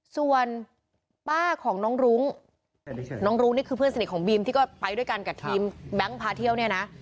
ส่วนป้าของน้องรุ้งน้องรุ้งนี่คือเพื่อนสนิทของบีมที่ก็ไปด้วยกันกับทีมแบงค์พาเที่ยวเนี่ยนะ